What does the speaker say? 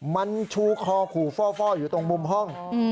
มันชูคอขู่ฟ่ออยู่ตรงมุมห้อง